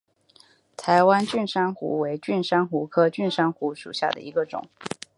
台湾蕈珊瑚为蕈珊瑚科蕈珊瑚属下的一个种。